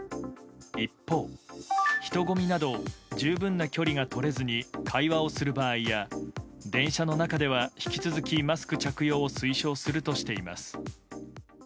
一方、人混みなど十分な距離が取れずに会話をする場合や電車の中では引き続きマスク着用を推奨するとしています。